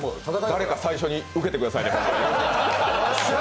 誰か最初にウケてくださいね。